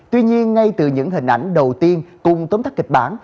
tuy nhiên ngay từ những hình ảnh đầu tiên cùng tốm thắt kịch bản